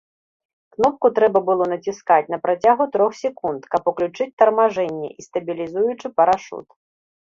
Кнопку трэба было націскаць на працягу трох секунд, каб уключыць тармажэнне і стабілізуючы парашут.